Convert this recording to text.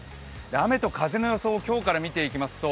雨と風の予想を今日から見ていきますと。